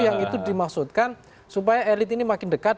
yang itu dimaksudkan supaya elit ini makin dekat